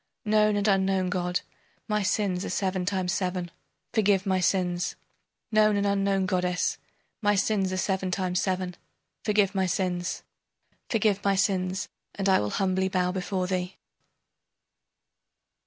Known and unknown god, my sins are seven times seven forgive my sins! Known and unknown goddess, my sins are seven times seven forgive my sins! Forgive my sins, and I will humbly bow before thee.